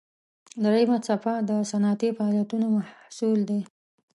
دریمه څپه د صنعتي فعالیتونو محصول دی.